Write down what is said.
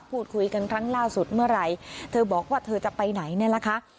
พูดคุยกันครั้งล่าสุดเมื่อไหร่เธอบอกว่าเธอจะไปไหนเนี่ยนะคะ